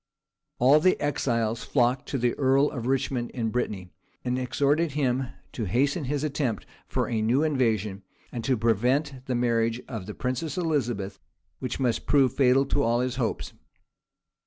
All the exiles flocked to the earl of Richmond in Brittany, and exhorted him to hasten his attempt for a new invasion, and to prevent the marriage of the princess Elizabeth, which must prove fatal to all his hopes.